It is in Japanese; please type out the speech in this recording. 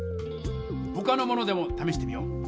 ほかのものでもためしてみよう！